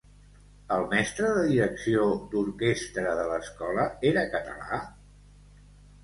El mestre de direcció d'orquestra de l'escola era català?